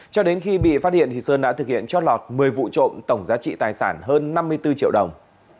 cho đến khi bị phát hiện sơn đã thực hiện chót lọt một mươi vụ trộm tổng giá trị tài sản hơn năm mươi bốn triệu đồng